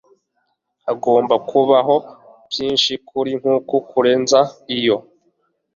Hagomba kubaho byinshi kurinkuru kurenza iyo